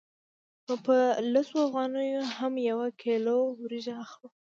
نو په لسو افغانیو هم یوه کیلو وریجې اخلو